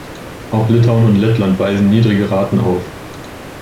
Auch Litauen und Lettland weisen niedrige Raten auf.